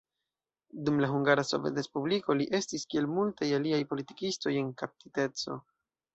Dum la Hungara Sovetrespubliko, li estis kiel multaj aliaj politikistoj, en kaptiteco.